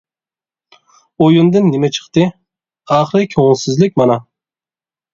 ئويۇندىن نېمە چىقتى؟ ئاخىرى كۆڭۈلسىزلىك مانا.